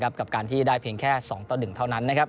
กับการที่ได้เพียงแค่๒ต่อ๑เท่านั้นนะครับ